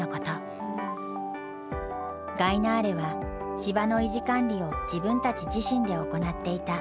ガイナーレは芝の維持管理を自分たち自身で行っていた。